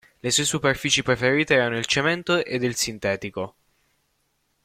Le sue superfici preferite erano il cemento ed il sintetico.